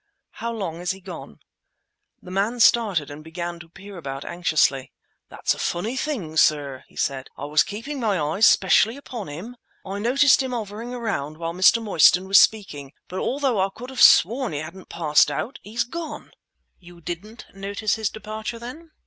"How long is he gone?" The man started and began to peer about anxiously. "That's a funny thing, sir," he said. "I was keeping my eyes specially upon him. I noticed him hovering around while Mr. Mostyn was speaking; but although I could have sworn he hadn't passed out, he's gone!" "You didn't notice his departure, then?"